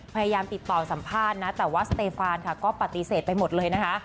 พยายามติดต่อสัมภาษณ์นะแต่ว่าสเตฟานค่ะก็ปฏิเสธไปหมดเลยนะคะ